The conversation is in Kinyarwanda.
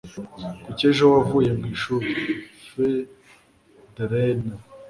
Kuki ejo wavuye mwishuri? (FeuDRenais)